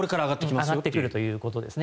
上がってくるということですね。